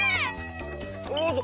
おっと。